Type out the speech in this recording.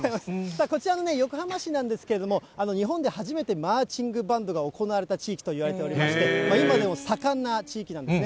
こちらの横浜市なんですけれども、日本で初めてマーチングバンドが行われた地域といわれておりまして、今でも盛んな地域なんですね。